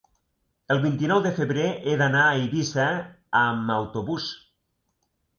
El vint-i-nou de febrer he d'anar a Eivissa amb autobús.